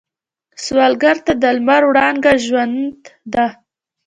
سوالګر ته د لمر وړانګه ژوند ده